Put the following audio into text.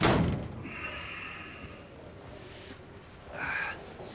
ああ。